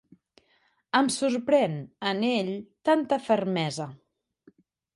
Em sorprèn, en ell, tanta fermesa.